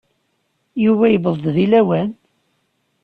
Yuba yuweḍ-d deg lawan?